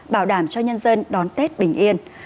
bảo đảm cho nhân dân đón tết bình yên